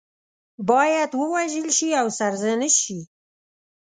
باید ووژل شي او سرزنش شي.